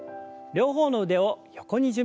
両方の腕を横に準備します。